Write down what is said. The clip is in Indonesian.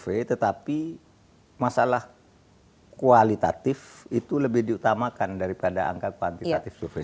survei tetapi masalah kualitatif itu lebih diutamakan daripada angka kuantitatif survei